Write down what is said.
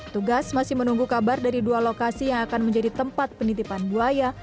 tugas masih menunggu kabar dari dua lokasi yang akan menjadi tempat penitipan buaya